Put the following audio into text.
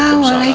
kau bisa lihat